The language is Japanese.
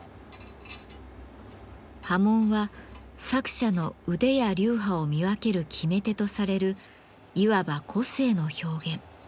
刃文は作者の腕や流派を見分ける決め手とされるいわば個性の表現。